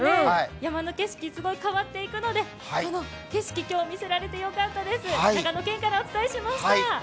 山の景色変わっていくのでこの景色届けられて良かったです。